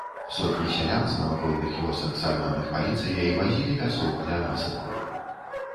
Сотні сялян з навакольных вёсак, сагнаных паліцыяй, вазілі пясок для насыпаў.